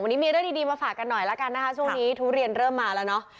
วันนี้มีเรื่องดีมาฝากกันหน่อยแล้วกันนะคะช่วงนี้ทุเรียนเริ่มมาแล้วเนอะ